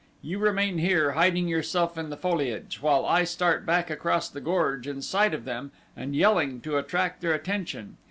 You remain here, hiding yourself in the foliage, while I start back across the gorge in sight of them and yelling to attract their attention.